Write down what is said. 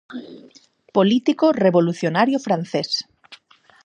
Político revolucionario francés.